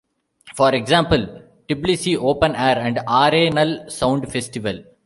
For example, Tbilisi Open Air and Arenal Sound Festival.